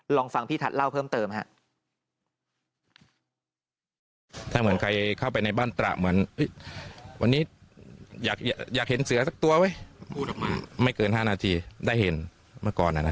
ลองฟังพี่ทัศน์เล่าเพิ่มเติมครับ